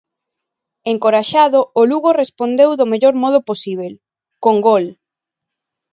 Encoraxado, o Lugo respondeu do mellor modo posíbel: con gol.